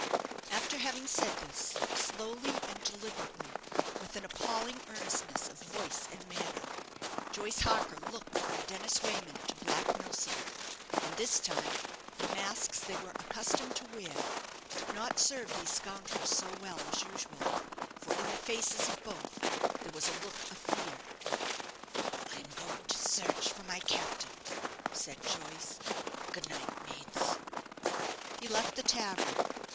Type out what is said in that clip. After having said this, slowly and deliberately, with an appalling earnestness of voice and manner, Joyce Harker looked from Dennis Wayman to Black Milsom, and this time the masks they were accustomed to wear did not serve these scoundrels so well as usual, for in the faces of both there was a look of fear. "I am going to search for my captain," said Joyce. "Good night, mates." He left the tavern.